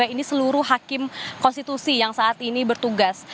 ini seluruh hakim konstitusi yang saat ini bertugas